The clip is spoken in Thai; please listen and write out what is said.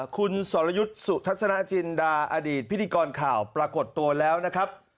คุณสรยุทธ์สุทัศนจินดาอดีตพิธีกรข่าวปรากฏตัวแล้วนะครับ